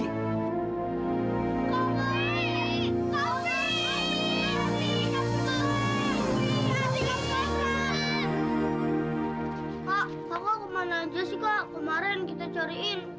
kak kakak kemana aja sih kak kemarin kita cariin